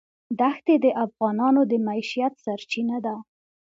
دښتې د افغانانو د معیشت سرچینه ده.